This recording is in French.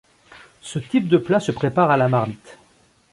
Ce type de plat se prépare à la marmite.